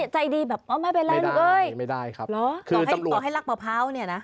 ต่อให้คุณป้าใจดีแบบไม่ร้ายละลูกเก้ย